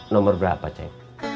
nomor berapa cek